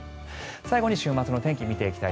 最後に週末の天気を見ていきます。